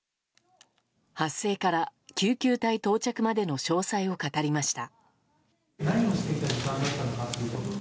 発生から救急隊到着までの詳細を語りました。